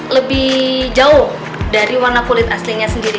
lebih jauh dari warna kulit aslinya sendiri